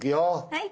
はい。